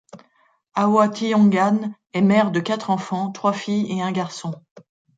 Awa Thiongane est mère de quatre enfants, trois filles et un garçon.